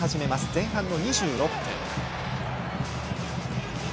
前半の２６分。